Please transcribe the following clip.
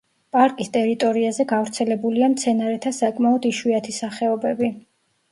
პარკის ტერიტორიაზე გავრცელებულია მცენარეთა საკმაოდ იშვიათი სახეობები.